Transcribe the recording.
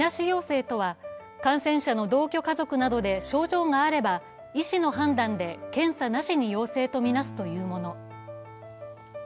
陽性とは感染者の同居家族などで症状があれば医師の判断で検査なしで陽性とみなすもの。